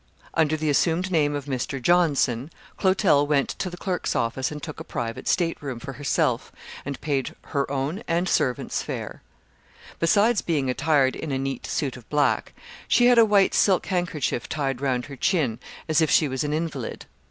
Under the assumed name of "Mr. Johnson," Clotel went to the clerk's office and took a private state room for herself, and paid her own and servant's fare. Besides being attired in a neat suit of black, she had a white silk handkerchief tied round her chin, as if she was an invalid.